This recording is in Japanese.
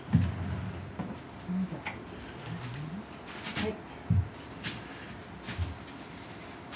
はい。